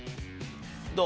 どう？